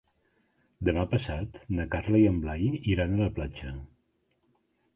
Demà passat na Carla i en Blai iran a la platja.